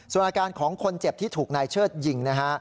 ส่วนอาการของคนเจ็บที่ถูกนายเชิดยิงนะฮะ